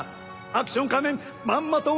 アクション仮面まんまと